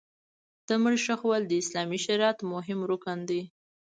د مړي ښخول د اسلامي شریعت مهم رکن دی.